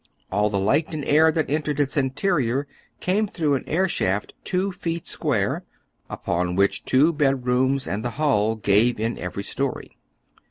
All the light and air that en tered its interior came through an air shaft two feet square, upon which two bedrooms and the Iiall gave in every story.